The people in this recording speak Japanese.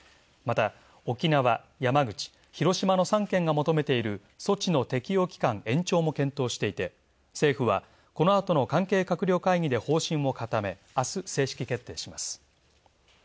また、沖縄、山口、広島の３県が求めている措置の適用期間延長も検討していて政府はこの後の関係閣僚会議で方針を固め明日、正式決定します。